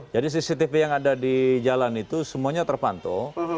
jadi cctv yang ada di jalan itu semuanya terpantul